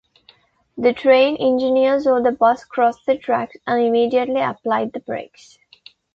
The train engineer saw the bus cross the tracks and immediately applied the brakes.